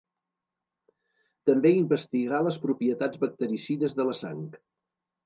També investigà les propietats bactericides de la sang.